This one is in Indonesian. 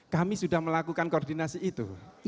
kami sudah melakukan koordinasi itu